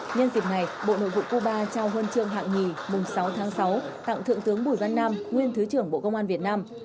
nhân dịp này bộ nội vụ cuba trao huân chương hạng nhì mùng sáu tháng sáu tặng thượng tướng bùi văn nam nguyên thứ trưởng bộ công an việt nam